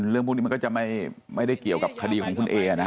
เรื่องพวกนี้มันก็จะไม่ได้เกี่ยวกับคดีของคุณเอนะ